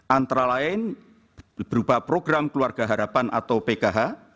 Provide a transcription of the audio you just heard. antara lain berupa program keluarga harapan atau pkh